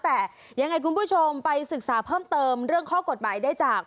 แต่ยังไงคุณผู้ชมไปศึกษาเพิ่มเติมเรื่องข้อกฎหมายได้จาก